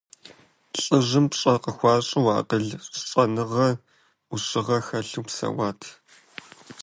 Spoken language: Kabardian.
Лӏыжьым пщӀэ къыхуащӀу, акъыл, щӀэныгъэ, Ӏущыгъэ хэлъу псэуат.